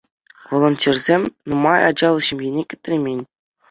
Волонтерсем нумай ачаллӑ ҫемьене кӗттермен.